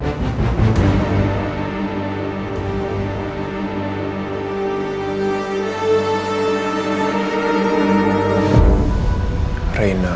dia supaya seorang bintang